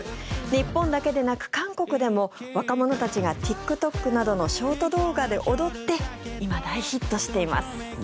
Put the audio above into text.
日本だけでなく韓国でも若者たちがＴｉｋＴｏｋなどのショート動画で踊って今、大ヒットしています。